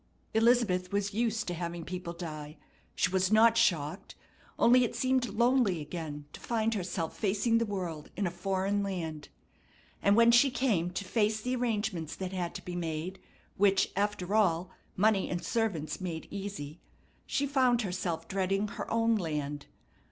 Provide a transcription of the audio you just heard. Elizabeth was used to having people die. She was not shocked; only it seemed lonely again to find herself facing the world, in a foreign land. And when she came to face the arrangements that had to be made, which, after all, money and servants made easy, she found herself dreading her own land.